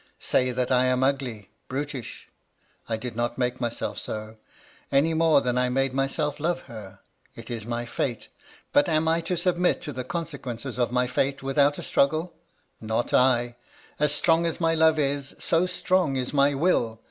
Say that I am ugly, brutish ; I did not make myself so, any more than I made myself love her. It is my fate. But am I to submit to the consequences of my £eite without « struggle ? Not I. As strong as my love is, so strong is my will.